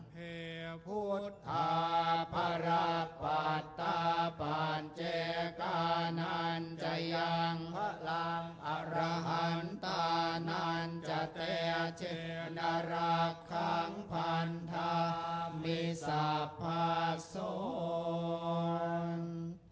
เหพุธธาพระปัตตาปาญเจกานานจยังพะลางอรหันตานานจเตเจนรักคังพันธามิสัพภาสสวรณ